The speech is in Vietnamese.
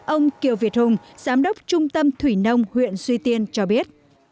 ông kiều việt hùng giám đốc trung tâm thủy nông huyện suy tiên cho biết